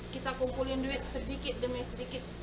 kita kumpulin duit sedikit demi sedikit